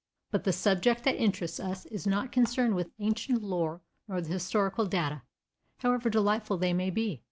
But the subject that interests us is not concerned with ancient lore nor with historical data, however delightful they may be.